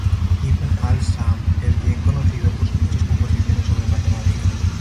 Ibn al-Samh es bien conocido por sus muchas composiciones sobre matemáticas.